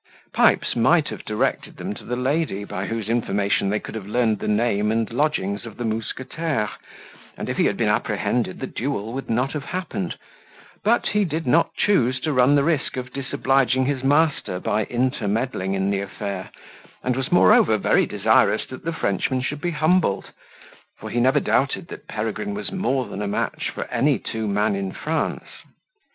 Pipes might have directed them to the lady, by whose information they could have learned the name and lodgings of the mousquetaire, and if he had been apprehended the duel would not have happened; but he did not choose to run the risk of disobliging his master by intermeddling in the affair, and was moreover very desirous that the Frenchman should be humbled; for he never doubted that Peregrine was more than a match for any two men in France.